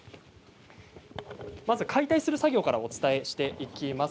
解体する作業からお伝えしていきます。